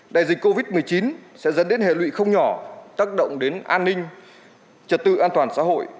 đại dịch covid một mươi chín sẽ dẫn đến hệ lụy không nhỏ tác động đến an ninh trật tự an toàn xã hội